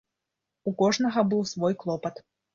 У кожнага быў свой клопат.